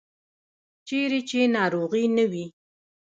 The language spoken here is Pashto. چیرې چې ناروغي نه وي.